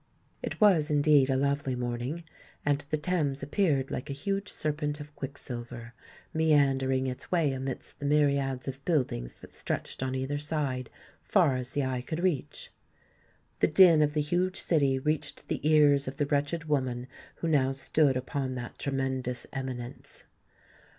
It was indeed a lovely morning; and the Thames appeared like a huge serpent of quicksilver, meandering its way amidst the myriads of buildings that stretched on either side, far as the eye could reach. The din of the huge city reached the ears of the wretched woman who now stood upon that tremendous eminence.